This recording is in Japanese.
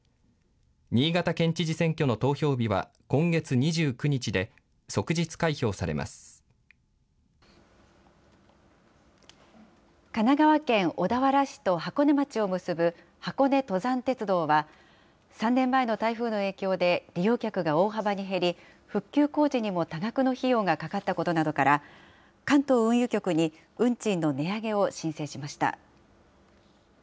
新潟県知事選挙の投票日は今月２神奈川県小田原市と箱根町を結ぶ、箱根登山鉄道は、３年前の台風の影響で、利用客が大幅に減り、復旧工事にも多額の費用がかかったことなどから、関東運輸局に運賃の値上げを申請しました。